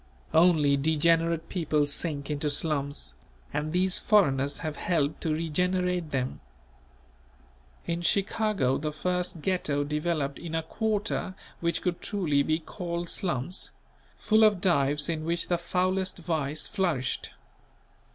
Only degenerate people sink into slums; and these foreigners have helped to regenerate them. In Chicago the first Ghetto developed in a quarter which could truly be called slums; full of dives in which the foulest vice flourished.